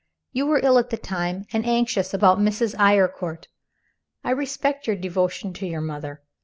You were ill at the time, and anxious about Mrs. Eyrecourt. I respected your devotion to your mother.